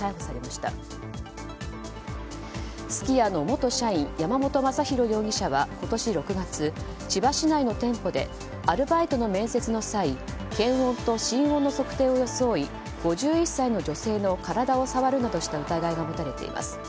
すき家の元社員山本将寛容疑者は今年６月、千葉市内の店舗でアルバイトの面接の際検温と心音の測定を装い５１歳の女性の体を触るなどした疑いが持たれています。